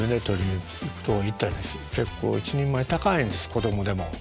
結構１人前高いんです子供でも。